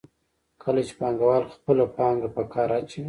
کله چې پانګوال خپله پانګه په کار اچوي